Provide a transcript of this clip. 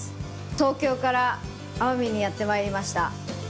東京から奄美にやってまいりました。